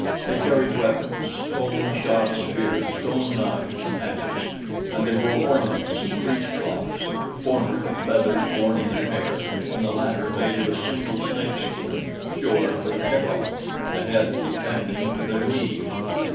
They carried weapons, stone shod spears, stone knives, and hatchets and they wore ornaments and breech cloths the former of feathers worn in their hair and the latter made of a single snake skin cured with the head on, the head depending to their knees.